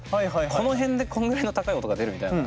この辺でこんぐらいの高い音が出るみたいな。